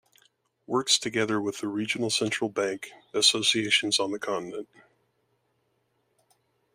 Works together with the Regional Central Bank Associations on the Continent.